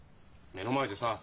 目の前でさ